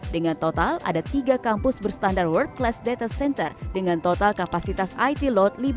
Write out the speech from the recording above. dengan total ada tiga kampus berstandar world class data center dengan total kapasitas it load lima puluh satu mw